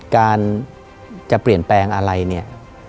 การจะเปลี่ยนแปลงอะไรเนี่ย